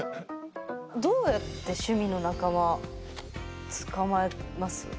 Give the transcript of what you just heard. どうやって趣味の仲間捕まえます？